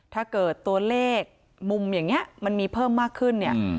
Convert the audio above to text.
ถ้าเกิดตัวเลขมุมอย่างนี้มันมีเพิ่มมากขึ้นเนี่ย